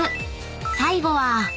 ［最後は］